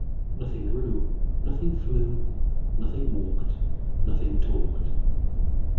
Nothing grew, nothing flew, nothing walked, nothing talked.